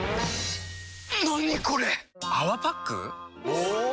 お！